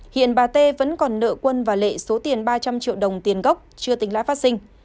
hiện bà t vẫn còn nợ quân và lệ số tiền ba trăm linh triệu đồng tiền gốc chưa tính lãi phát sinh